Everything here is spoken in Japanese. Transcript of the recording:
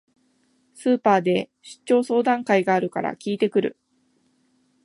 スーパーで出張相談会があるから聞いてくる